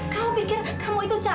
kamu pikir kamu itu capek